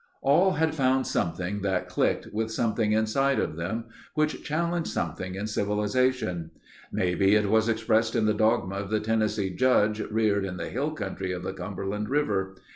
All had found something that clicked with something inside of them which challenged something in civilization. Maybe it was expressed in the dogma of the Tennessee judge reared in the hill country of the Cumberland river.